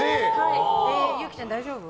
憂樹ちゃん、大丈夫？